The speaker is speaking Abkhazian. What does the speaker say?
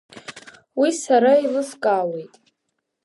Уи сара еилыскаауеит.